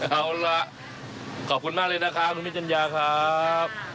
เอาล่ะขอบคุณมากเลยนะครับคุณพี่จัญญาครับ